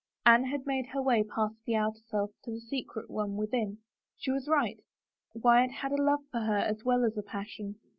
Anne had made her way past the outer self to the secret one within. She was right — Wyatt had a love for her as well as a passion.